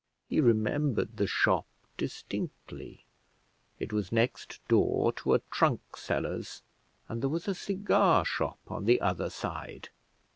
He remembered the shop distinctly; it was next door to a trunk seller's, and there was a cigar shop on the other side.